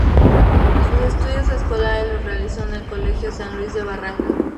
Sus estudios escolares los realizó en el Colegio San Luis de Barranco.